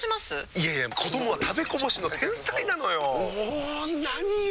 いやいや子どもは食べこぼしの天才なのよ。も何よ